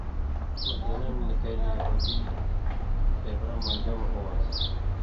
مدینہ نہ نِکَیل یہودی خېبرہ مہ جمع ہُووان٘س،